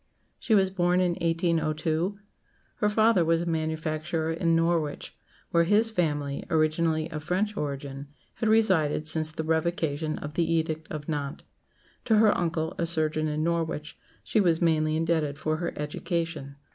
She was born in 1802. Her father was a manufacturer in Norwich, where his family, originally of French origin, had resided since the Revocation of the Edict of Nantes. To her uncle, a surgeon in Norwich, she was mainly indebted for her education.